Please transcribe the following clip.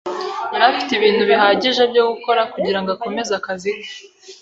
Yari afite ibintu bihagije byo gukora kugirango akomeze akazi ke.